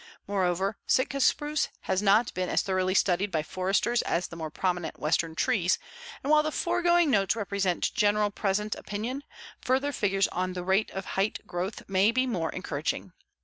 Moreover, Sitka spruce has not been as thoroughly studied by foresters as the more prominent Western trees, and while the foregoing notes represent general present opinion, further figures on rate of height growth may be more encouraging.